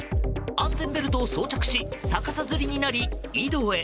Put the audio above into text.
安全ベルトを装着し逆さづりになり、井戸へ。